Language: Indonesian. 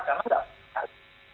karena tidak berhasil